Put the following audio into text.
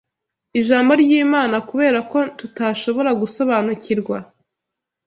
Ijambo ry’Imana kubera ko tutashobora gusobanukirwa